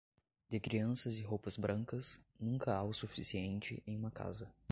De crianças e roupas brancas, nunca há o suficiente em uma casa.